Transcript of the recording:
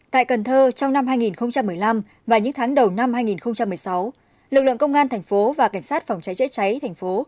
tại cần thơ trong năm hai nghìn một mươi năm và những tháng đầu năm hai nghìn một mươi sáu lực lượng công an thành phố và cảnh sát phòng cháy chữa cháy thành phố